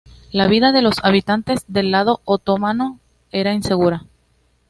La vida de los habitantes del lado otomano era insegura.